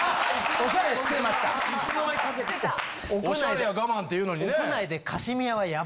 オシャレは我慢っていうのにね。